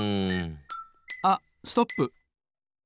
あっストップ！